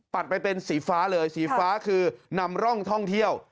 ไปเป็นสีฟ้าเลยสีฟ้าคือนำร่องท่องเที่ยว